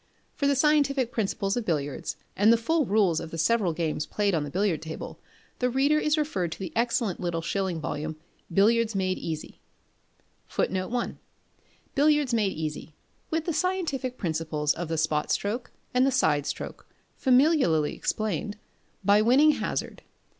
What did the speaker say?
For the scientific principles of billiards, and the full rules of the several games played on the billiard table, the reader is referred to the excellent little shilling volume, "Billiards Made Easy," and the more elaborate treatise by Captain Crawley. [Footnote 1: Billiards made Easy. With the scientific Principles of the Spot stroke, and the Side stroke, familiarly explained: By Winning Hazard.